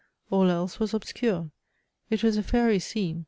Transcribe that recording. All else was obscure. It was a fairy scene!